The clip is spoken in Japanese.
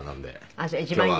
「あっそれ一番いいやつ」